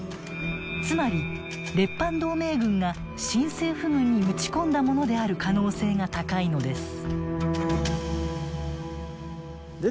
つまり列藩同盟軍が新政府軍に撃ち込んだものである可能性が高いのです。